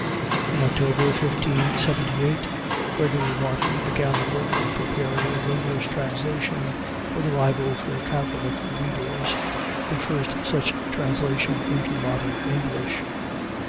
In October, 1578, Gregory Martin began the work of preparing an English translation of the Bible for Catholic readers, the first such translation into Modern English.